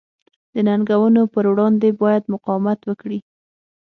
د ننګونو پر وړاندې باید مقاومت وکړي.